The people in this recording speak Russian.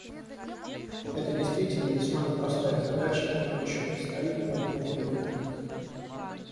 Это действительно весьма непростая задача, и нам еще предстоит продумать ее механизм.